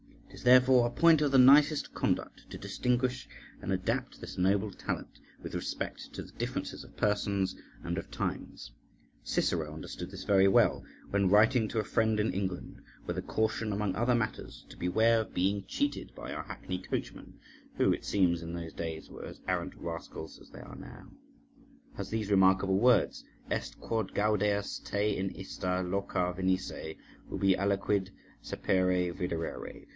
It is therefore a point of the nicest conduct to distinguish and adapt this noble talent with respect to the differences of persons and of times. Cicero understood this very well, when, writing to a friend in England, with a caution, among other matters, to beware of being cheated by our hackney coachmen (who, it seems, in those days were as arrant rascals as they are now), has these remarkable words, Est quod gaudeas te in ista loca venisse, ubi aliquid sapere viderere .